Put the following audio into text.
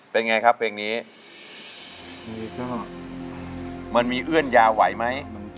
เป็นไงครับเพลงนี้ก็มันมีเอื้อนยาไหวไหม